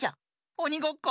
おにごっこ？